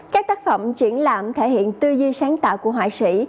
các tác phẩm triển lạm thể hiện tư duy sáng tạo của hoại sĩ